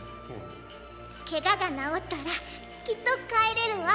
ケガがなおったらきっとかえれるわ。